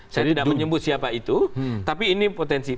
saya tidak menyebut siapa itu tapi ini potensi